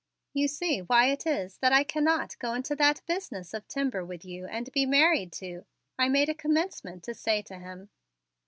"You see why it is that I cannot go into that business of timber with you and be married to " I made a commencement to say to him.